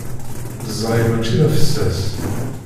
Ẓẓay mačči d afessas.